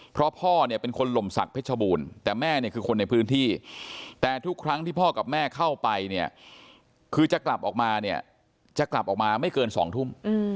เพราะพ่อเนี่ยเป็นคนลมศักดิชบูรณ์แต่แม่เนี่ยคือคนในพื้นที่แต่ทุกครั้งที่พ่อกับแม่เข้าไปเนี่ยคือจะกลับออกมาเนี่ยจะกลับออกมาไม่เกิน๒ทุ่ม